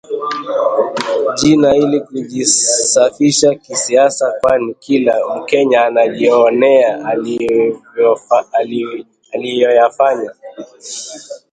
jina ili kujisafisha kisiasa kwani kila mkenya anajionea aliyoyafanya